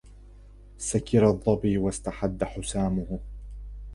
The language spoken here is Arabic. سكر الظبي واستحد حسامه